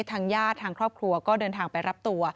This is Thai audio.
ทางญาติทางครอบครัวก็เดินทางไปรับตัว